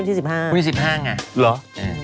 วันที่๑๕ไงหรืออืม